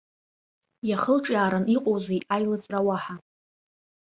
Иахылҿиааран иҟоузеи аилыҵра уаҳа!